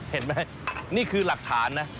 เห็นไหมนี่คือหลักฐานนะ